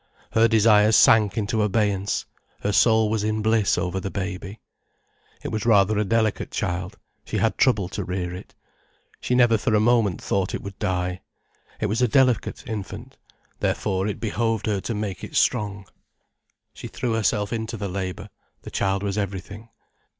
Her desires sank into abeyance, her soul was in bliss over the baby. It was rather a delicate child, she had trouble to rear it. She never for a moment thought it would die. It was a delicate infant, therefore it behoved her to make it strong. She threw herself into the labour, the child was everything.